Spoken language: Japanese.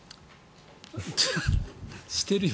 してるよ。